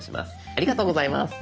ありがとうございます。